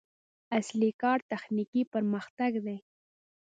اصلي کار تخنیکي پرمختګ دی.